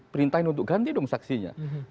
perintahin untuk ganti dong saksinya